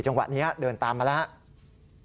จังหวะนี้เดินตามมาแล้ว